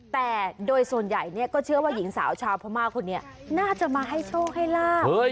แต่โดยส่วนใหญ่ก็เชื่อว่าหญิงสาวชาวพม่าคนนี้น่าจะมาให้โชคให้ลาบ